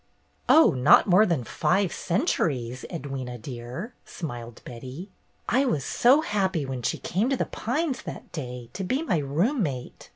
"Oh, not more than five centuries, Edwyna, dear!" smiled Betty. "I was so happy when she came to ' The Pines ' that day, to be my roommate.